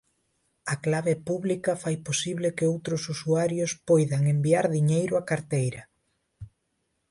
A clave pública fai posible que outros usuarios poidan enviar diñeiro á carteira.